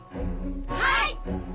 はい！